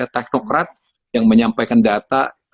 teknokrat yang menyampaikan data